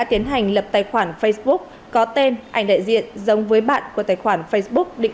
tiến hành lập tài khoản facebook có tên ảnh đại diện giống với bạn của tài khoản facebook định